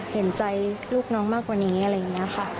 เห็นใจลูกน้องมากกว่านี้อะไรอย่างนี้ค่ะ